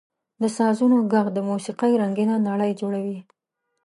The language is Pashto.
• د سازونو ږغ د موسیقۍ رنګینه نړۍ جوړوي.